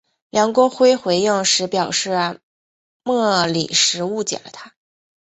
梁国辉回应时表示莫礼时误解了他。